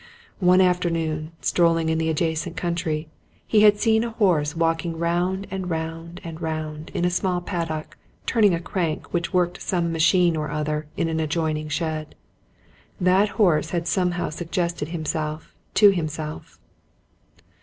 One afternoon, strolling in the adjacent country, he had seen a horse walking round and round and round in a small paddock, turning a crank which worked some machine or other in an adjoining shed: that horse had somehow suggested himself to himself.